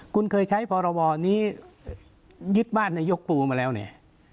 คุณเคยใช้พรบนี้ยึดบ้านนายกปูมาแล้วเนี่ย